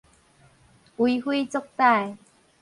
為非作歹